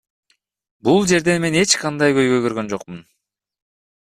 Бул жерден мен эч кандай көйгөй көргөн жокмун.